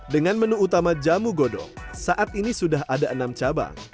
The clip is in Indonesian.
dengan menu utama jamu godong saat ini sudah ada enam cabang